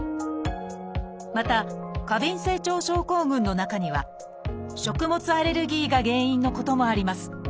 また過敏性腸症候群の中には食物アレルギーが原因のこともあります。